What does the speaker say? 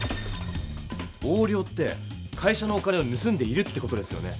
横領って会社のお金をぬすんでいるって事ですよね。